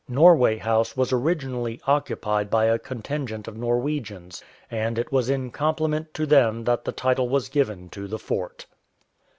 Norway House was originally occupied by a contingent of Norwegians, and it was in compliment to them that the title was given to the fort.